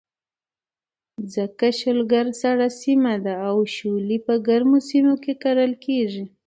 ځکه شلګر سړه سیمه ده او شولې په ګرمو سیمو کې کرلې کېږي.